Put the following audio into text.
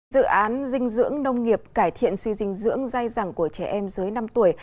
dự án dinh dưỡng nông nghiệp cải thiện suy dinh dưỡng dai dẳng của trẻ em dưới năm tuổi